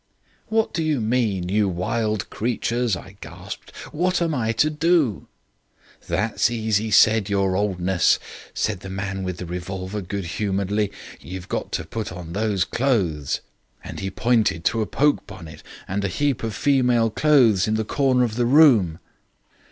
"'What do you mean, you wild creatures?' I gasped. 'What am I to do?' "'That's easy said, your 'oldness,' said the man with the revolver, good humouredly; 'you've got to put on those clothes,' and he pointed to a poke bonnet and a heap of female clothes in the corner of the room.